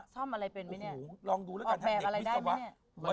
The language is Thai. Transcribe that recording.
ชอบอะไรเป็นไหมเนี่ย